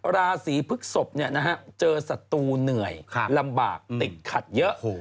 ราศีพฤกษพเจอศัตรูเหนื่อยลำบากติดขัดเยอะ